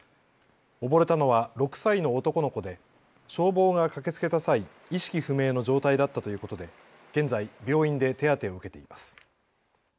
溺れたのは６歳の男の子で消防が駆けつけた際、意識不明の状態だったということで現在、病院で手当てを受けています。